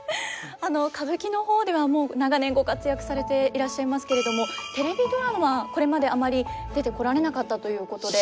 歌舞伎の方ではもう長年ご活躍されていらっしゃいますけれどもテレビドラマこれまであまり出てこられなかったということで。